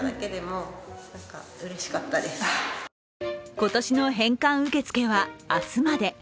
今年の返還受け付けは明日まで。